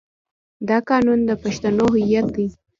دا قانون د پښتنو هویت دی.